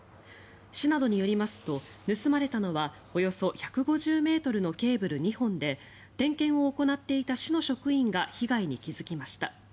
市などによりますと盗まれたのはおよそ１５０ｍのケーブル２本で点検を行っていた市の職員が被害に気付きました。